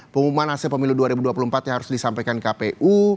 pengumuman hasil pemilu dua ribu dua puluh empat yang harus disampaikan kpu